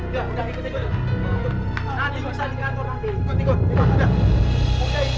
datang ke kantor polisi